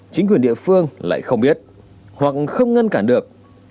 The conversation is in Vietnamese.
chính quyền địa phương lại không biết hoặc không ngăn cản được